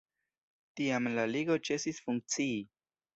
Tiam la ligo ĉesis funkcii.